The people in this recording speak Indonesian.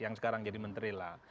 yang sekarang jadi menteri lah